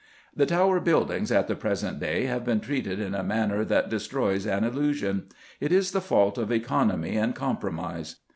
The Tower buildings at the present day have been treated in a manner that destroys all illusion. It is the fault of economy and compromise.